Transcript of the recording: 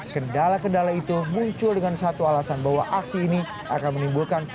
kendala kendala itu muncul dengan satu alasan bahwa aksi ini akan menimbulkan